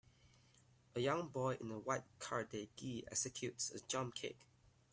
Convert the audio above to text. A young boy in a white karate gi executes a jump kick.